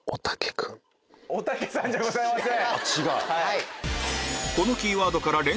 おたけさんじゃございません。